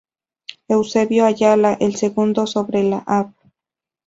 Eusebio Ayala, el segundo sobre la Av.